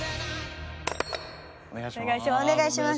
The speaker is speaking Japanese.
お願いします。